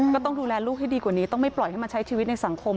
ก็ต้องดูแลลูกให้ดีกว่านี้ต้องไม่ปล่อยให้มาใช้ชีวิตในสังคม